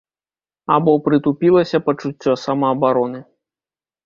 Або прытупілася пачуццё самаабароны.